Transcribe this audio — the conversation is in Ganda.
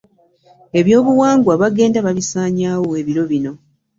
Ebyobuwangwa bagenda babisanyawo ebiro bino.